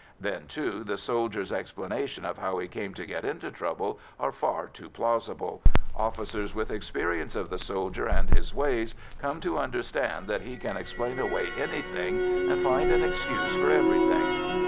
Then, too, the soldier's explanations of how he came to get into trouble are far too plausible; officers with experience of the soldier and his ways come to understand that he can explain away anything and find an excuse for everything.